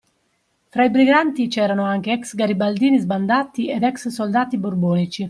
Fra i briganti c’erano anche ex garibaldini sbandati ed ex soldati borbonici.